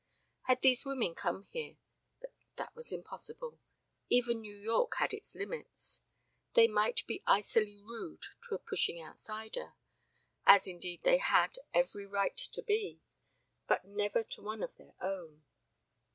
Had these women come here but that was impossible. Even New York had its limits. They might be icily rude to a pushing outsider, as indeed they had every right to be, but never to one of their own.